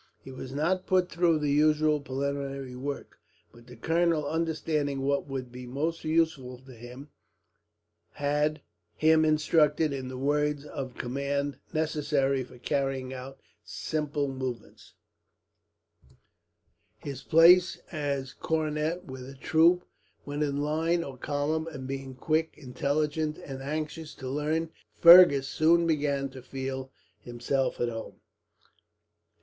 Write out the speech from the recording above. He was not put through the usual preliminary work, but the colonel, understanding what would be most useful to him, had him instructed in the words of command necessary for carrying out simple movements, his place as cornet with a troop when in line or column; and being quick, intelligent, and anxious to learn, Fergus soon began to feel himself at home.